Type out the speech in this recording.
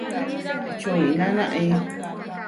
Čoʼiná náʼi.